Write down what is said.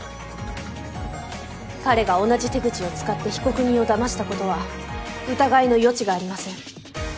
彼が同じ手口を使って被告人を騙したことは疑いの余地がありません。